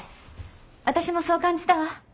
私もそう感じたわ。